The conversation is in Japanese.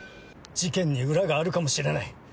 事件に裏があるかもしれない。